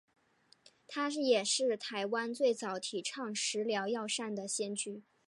他也是台湾最早提倡食疗药膳的先驱。